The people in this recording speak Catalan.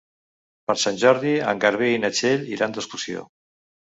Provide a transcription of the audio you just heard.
Per Sant Jordi en Garbí i na Txell iran d'excursió.